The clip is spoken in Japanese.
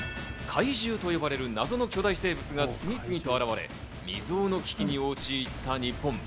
禍威獣と呼ばれる謎の巨大生物が次々と現れ、未曽有の危機に陥った日本。